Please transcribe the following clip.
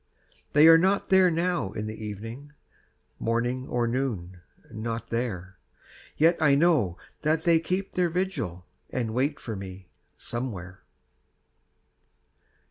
They are not there now in the evening Morning or noon not there; Yet I know that they keep their vigil, And wait for me Somewhere.